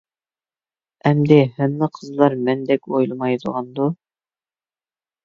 ئەمدى ھەممە قىزلار مەندەك ئويلىمايدىغاندۇ.